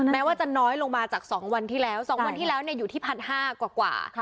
แม้ว่าจะน้อยลงมาจาก๒วันที่แล้ว๒วันที่แล้วอยู่ที่๑๕๐๐กว่า